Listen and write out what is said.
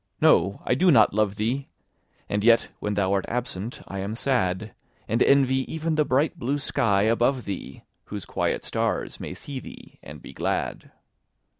—no! I do not love thee! And yet when thou art absent I am sad; And envy even the bright blue sky above thee, Whose quiet stars may see thee and be glad.